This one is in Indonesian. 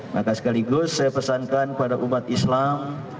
maka sekaligus saya pesankan pada umat islam